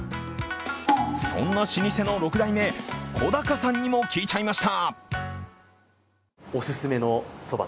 そんな老舗の六代目・小高さんにも聞いちゃいました。